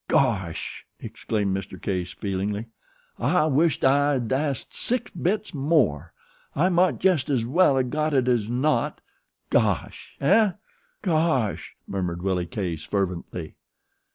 "Gosh!" exclaimed Mr. Case, feelingly. "I wisht I'd asked six bits more I mought jest as well o' got it as not. Gosh, eh?" "Gosh!" murmured Willie Case, fervently.